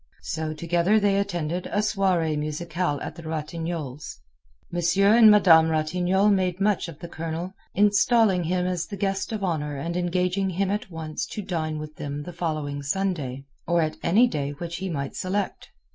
So together they attended a soirée musicale at the Ratignolles'. Monsieur and Madame Ratignolle made much of the Colonel, installing him as the guest of honor and engaging him at once to dine with them the following Sunday, or any day which he might select.